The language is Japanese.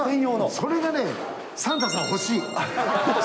それをね、サンタさん、欲しい。